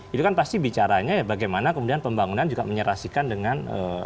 itu kan pasti bicaranya ya bagaimana kemudian pembangunan juga menyerasikan dengan